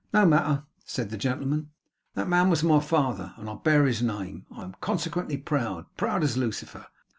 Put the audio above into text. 'No matter,' said the gentleman. 'That man was my father, and I bear his name. I am consequently proud proud as Lucifer.